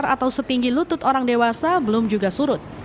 atau setinggi lutut orang dewasa belum juga surut